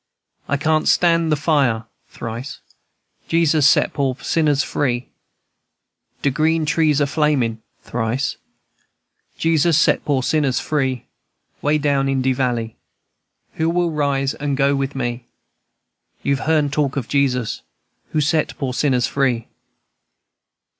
I can't stand the fire. (Thrice.) Jesus set poor sinners free, De green trees a flamin'. (Thrice.) Jesus set poor shiners free, Way down in de valley, Who will rise and go with me? You've heern talk of Jesus Who set poor shiners free."